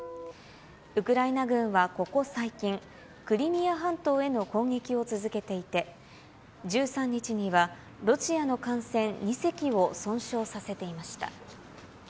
ウクライナ軍はここ最近、クリミア半島への攻撃を続けていて、１３日にはロシアの艦船２隻を損傷させていました。